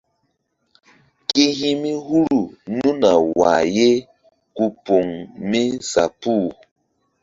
Ke hi̧ mi huru nunu a wah ye ku poŋ mi sa puh.